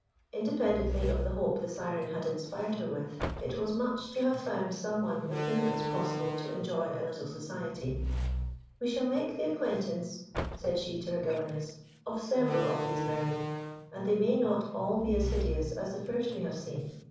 Independently of the hope the Syren had inspired her with, it was much to have found some one with whom it was possible to enjoy a little society. "We shall make the acquaintance," said she to her governess, "of several of these Mer men, and they may not all be as hideous as the first we have seen.